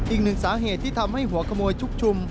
อีกหนึ่งสาเหตุที่ทำให้หัวขโมยชุกชุม